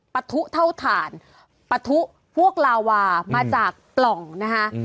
ปะทุเท่าฐานปะทุพวกลาวามาจากปล่องนะคะ